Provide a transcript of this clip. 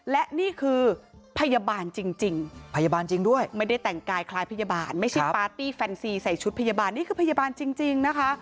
และนี่คือพยาบาลจริงพยาบาลจริงด้วยไม่ได้แต่งกายคล้ายพยาบาลไม่ใช่ปาร์ตี้แฟนซีใส่ชุดพยาบาลนี่คือพยาบาลจริงนะคะ